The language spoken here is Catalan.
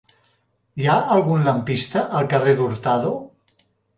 Hi ha algun lampista al carrer d'Hurtado?